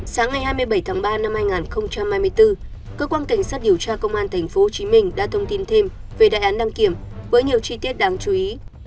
sáng ngày hai mươi bảy tháng ba năm hai nghìn hai mươi bốn cơ quan cảnh sát điều tra công an tp hcm đã thông tin thêm về đại án đăng kiểm với nhiều chi tiết đáng chú ý